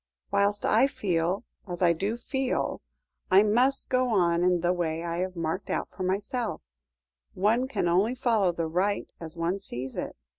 Whilst I feel as I do feel I must go on in the way I have marked out for myself, one can only follow the right as one sees it.